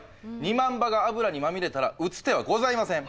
２万羽が油にまみれたら打つ手はございません。